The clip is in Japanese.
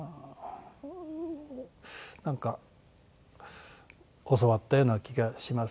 なんか教わったような気がしますよね。